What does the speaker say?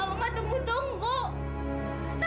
dia sudah tidak membohongi kita